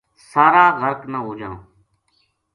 سارا غرق نہ ہو جاں